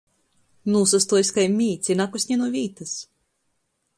Nūsastuojs kai mīts i nakust ni nu vītys!